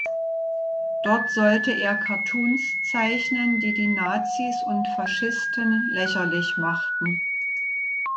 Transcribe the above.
Dort sollte er Cartoons zeichnen, die die Nazis und Faschisten lächerlich machten.